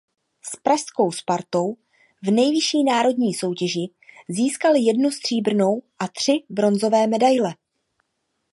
S pražskou Spartou v nejvyšší národní soutěži získal jednu stříbrnou a tři bronzové medaile.